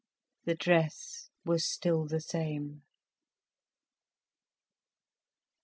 The dress was still the same.